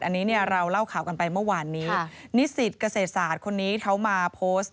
อันนี้เนี่ยเราเล่าข่าวกันไปเมื่อวานนี้นิสิตเกษตรศาสตร์คนนี้เขามาโพสต์